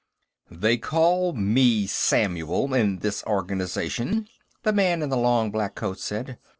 "They call me Samuel, in this organization," the man in the long black coat said.